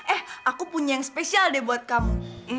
eh aku punya yang spesial deh buat kamu